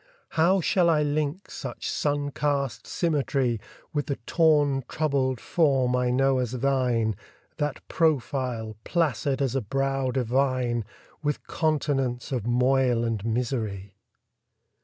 How shall I link such sun cast symmetry With the torn troubled form I know as thine, That profile, placid as a brow divine, With continents of moil and misery?